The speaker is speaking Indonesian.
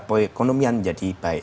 sehingga perekonomian jadi baik